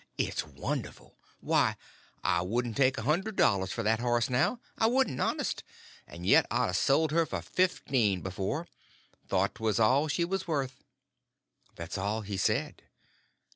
It's wonderful. Why, I wouldn't take a hundred dollars for that horse now—I wouldn't, honest; and yet I'd a sold her for fifteen before, and thought 'twas all she was worth." That's all he said.